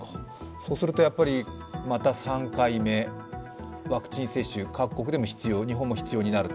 そうすると、また３回目、ワクチン接種、各国でも必要、日本でも必要になると。